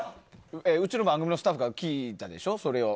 うちの番組のスタッフが聴いたでしょ、それを。